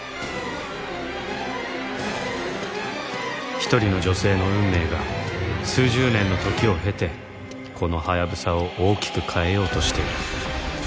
一人の女性の運命が数十年の時を経てこのハヤブサを大きく変えようとしている